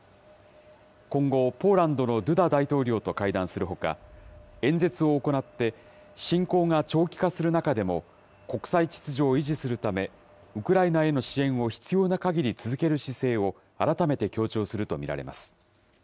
今後、ポーランドのドゥダ大統領と会談するほか、演説を行って、侵攻が長期化する中でも、国際秩序を維持するため、ウクライナへの支援を必要なかぎり続ける姿勢を、改めて強調すると見られます。